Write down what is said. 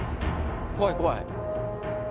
怖い怖い。